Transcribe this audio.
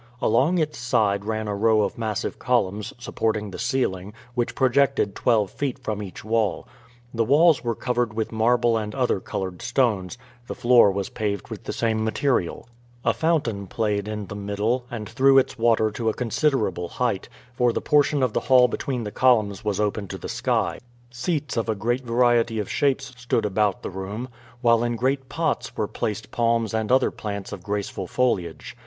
Along its side ran a row of massive columns supporting the ceiling, which projected twelve feet from each wall; the walls were covered with marble and other colored stones; the floor was paved with the same material; a fountain played in the middle, and threw its water to a considerable height, for the portion of the hall between the columns was open to the sky; seats of a great variety of shapes stood about the room; while in great pots were placed palms and other plants of graceful foliage.